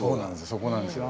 そうなんですよ。